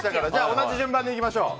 同じ順番で行きましょう。